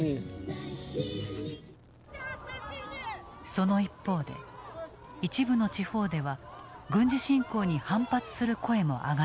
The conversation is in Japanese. その一方で一部の地方では軍事侵攻に反発する声も上がっている。